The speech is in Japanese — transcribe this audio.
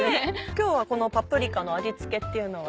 今日はこのパプリカの味付けっていうのは？